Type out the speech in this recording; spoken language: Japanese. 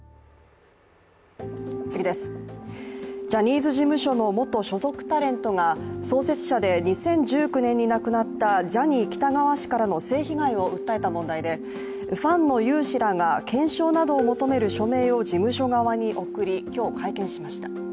次です、ジャニーズ事務所の元所属タレントが創設者で、２０１９年に亡くなったジャニー喜多川氏からの性被害を訴えた問題でファンの有志らが、検証などを求める署名を事務所側に送り、今日会見しました。